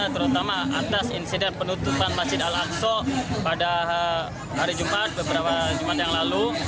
terutama atas insiden penutupan masjid al aqsa pada hari jumat beberapa jumat yang lalu